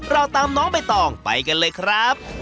เราตามน้องใบตองไปกันเลยครับ